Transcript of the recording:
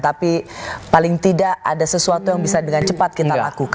tapi paling tidak ada sesuatu yang bisa dengan cepat kita lakukan